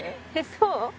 そう？